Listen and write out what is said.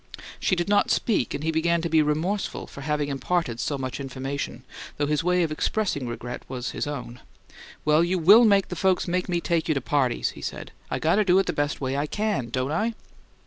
She did not speak, and he began to be remorseful for having imparted so much information, though his way of expressing regret was his own. "Well, you WILL make the folks make me take you to parties!" he said. "I got to do it the best way I CAN, don't I?"